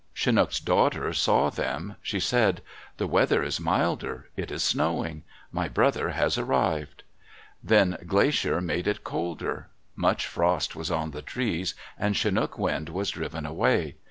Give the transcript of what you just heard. Chinook's daughter saw them. She said, "The weather is milder. It is snowing. My brother has arrived." Then Glacier made it colder. Much frost was on the trees and Chinook Wind was driven away.